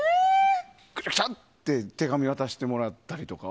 クシャクシャって手紙渡してもらったりとか。